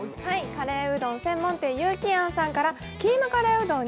カレーうどん専門店、游喜庵さんからキーマカレーうどん